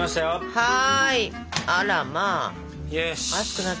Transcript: はい。